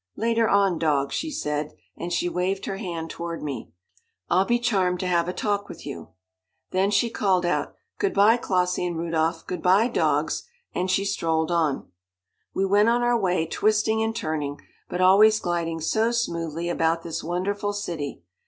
"Later on, dog," she said, and she waved her hand toward me, "I'll be charmed to have a talk with you." Then she called out, "Good bye, Clossie and Rudolph; good bye, dogs," and she strolled on. We went on our way twisting and turning, but always gliding so smoothly about this wonderful city.